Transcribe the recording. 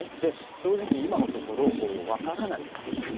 正直今のところ、分からないです。